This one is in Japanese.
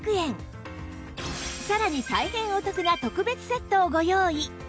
さらに大変お得な特別セットをご用意